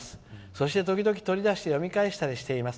そして時々取り出して読み返しています。